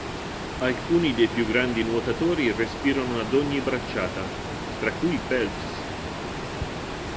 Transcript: Alcuni dei più grandi nuotatori respirano ad ogni bracciata (tra cui Phelps).